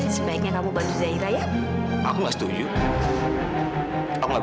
sampai jumpa di video selanjutnya